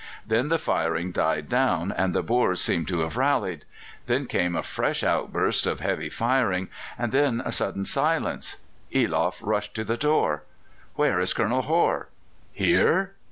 Then the firing died down, and the Boers seemed to have rallied; then came a fresh outburst of heavy firing, and then a sudden silence. Eloff rushed to the door. "Where is Colonel Hore?" "Here!"